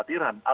itu sudah ada